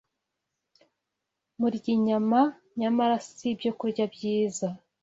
Murya inyama, nyamara si ibyokurya byiza.